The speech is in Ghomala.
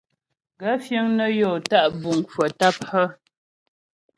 Gaə̂ fíŋ nə́ yɔ́ tá' buŋ kwə̀ tâp hə́ ?